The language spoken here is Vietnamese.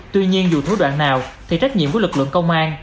tuy nhiên dù thủ đoạn nào thì trách nhiệm của lực lượng công an